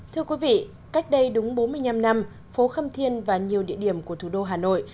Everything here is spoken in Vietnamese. thưa quý vị cách đây đúng bốn mươi năm năm phố khâm thiên và nhiều địa điểm của thủ đô hà nội